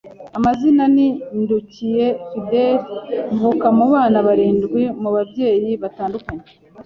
Amazina ni NDUKIYE Fidele mvuka mu bana barindwi mu babyeyi batandukanye